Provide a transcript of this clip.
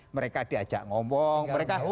mereka diajak ngomong mereka